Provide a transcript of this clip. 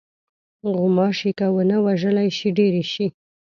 غوماشې که ونه وژلې شي، ډېرې شي.